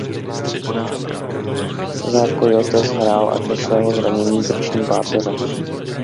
Za Coyotes hrál až do svého zranění krční páteře.